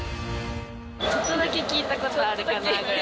ちょっとだけ聞いたことあるかなぐらい。